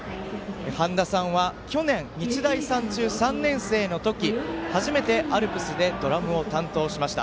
はんださんは日大三中、３年生の時初めて、アルプスでドラムを担当しました。